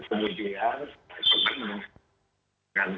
pak yusri menunggu